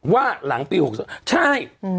ว่าหลังปี๖๐ใช่